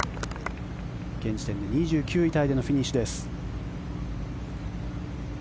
現時点で２９位タイでのフィニッシュです。